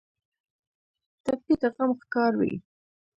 ټپي د غم ښکار وي.